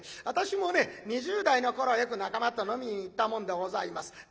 私もね２０代の頃はよく仲間と飲みに行ったもんでございます。